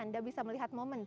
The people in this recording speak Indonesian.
anda bisa melihat momen